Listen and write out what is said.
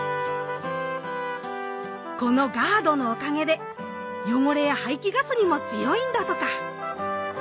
このガードのおかげで汚れや排気ガスにも強いんだとか！